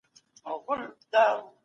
د زکات نه بغير هم غريب حق لري.